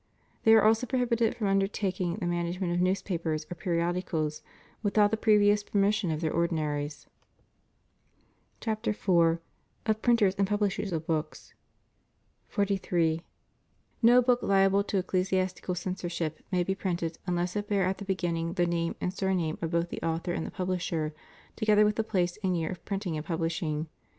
They are also prohibited from undertaking the manage ment of newspapers or periodicals without the previoug permission of their ordinaries. 420 THE PROHIBITION AND CENSORSHIP OF BOOKS. CHAPTER IV. Of Printers and Publishers of Books. 43. No book liable to ecclesiastical censorship may be printed unless it bear at the beginning the name and sur name of both the author and the publisher, together with the place and year of printing and publishing.